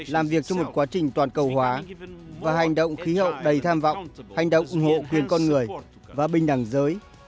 làm việc trong một quá trình toàn cầu hóa và hành động khí hậu đầy tham vọng hành động ủng hộ quyền con người và bình đẳng giới